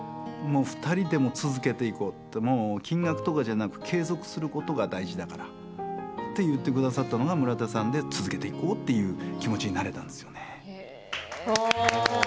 「もう２人でも続けていこう」って「金額とかじゃなく継続することが大事だから」って言ってくださったのが村田さんで続けていこうっていう気持ちになれたんですよね。